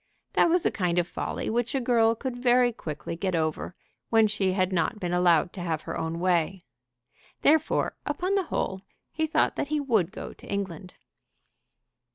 That was a kind of folly which a girl could very quickly get over when she had not been allowed to have her own way. Therefore, upon the whole, he thought that he would go to England.